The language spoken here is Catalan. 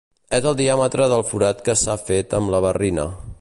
És el diàmetre del forat que s'ha fet amb la barrina.